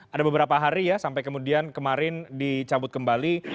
ada beberapa hari ya sampai kemudian kemarin dicabut kembali